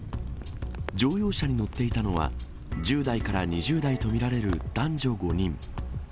乗用車に乗っていたのは、１０代から２０代と見られる男女５人。